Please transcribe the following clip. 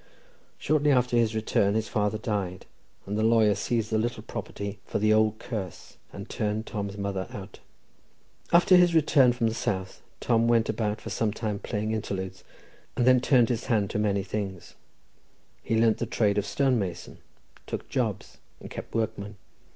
Shortly after his return, his father died, and the lawyer seized the little property "for the old curse," and turned Tom's mother out. After his return from the South, Tom went about for some time playing interludes, and then turned his hand to many things. He learnt the trade of stonemason, took jobs, and kept workmen.